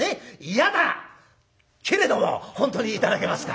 嫌だけれども本当に頂けますか？」。